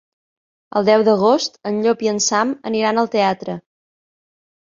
El deu d'agost en Llop i en Sam aniran al teatre.